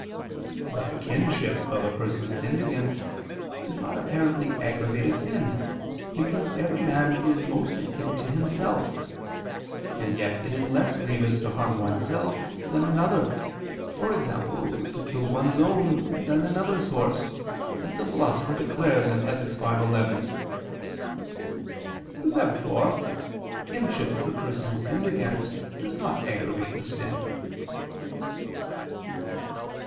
But the kinship of a person sinned against does not apparently aggravate a sin, because every man is most akin to himself; and yet it is less grievous to harm oneself than another, e.g. to kill one's own, than another's horse, as the Philosopher declares (Ethic. v, 11). Therefore kinship of the person sinned against does not aggravate the sin.